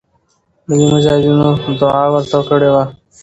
ملی مجاهدینو دعا ورته کړې وه.